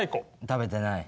食べてない。